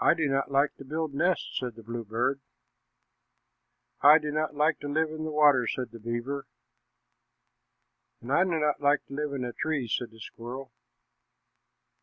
"I do not like to build nests," said the bluebird. "I do not like to live in the water," said the beaver. "And I do not like to live in a tree," said the squirrel.